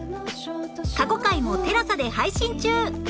過去回も ＴＥＬＡＳＡ で配信中